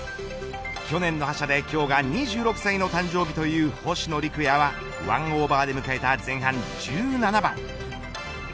去年の覇者で今日が２６歳の誕生日という星野陸也は１オーバーで迎えた前半１７番。